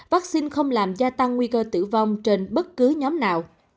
vaccine không làm gia tăng nguy cơ tử vong trên bất cứ nhóm nào